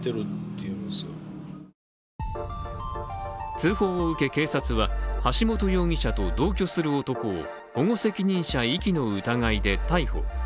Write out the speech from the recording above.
通報を受け、警察は橋本容疑者と同居する男を保護責任者遺棄の疑いで逮捕。